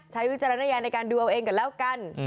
วิจารณญาณในการดูเอาเองกันแล้วกัน